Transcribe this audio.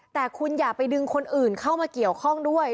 แต่คุณอย่าไปดึงคนอื่นเข้ามาเกี่ยวข้องด้วย